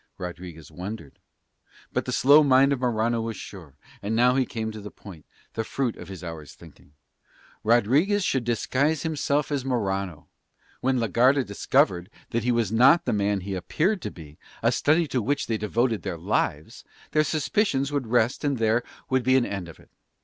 Rodriguez wondered; but the slow mind of Morano was sure, and now he came to the point, the fruit of his hour's thinking. Rodriguez should disguise himself as Morano. When la Garda discovered that he was not the man he appeared to be, a study to which they devoted their lives, their suspicions would rest and there would be an end of it.